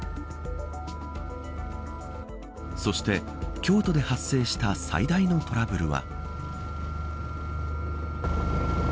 そして、京都で発生した最大のトラブルは。